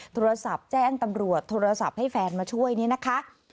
โทรศัพท์แจ้งตำรวจโทรศัพท์ให้แฟนมาช่วยนี่นะคะ